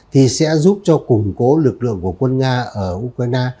thì sẽ giúp cho củng cố lực lượng của quân nga ở ukraine